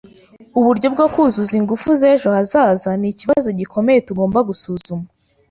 Uburyo bwo kuzuza ingufu z'ejo hazaza ni ikibazo gikomeye tugomba gusuzuma.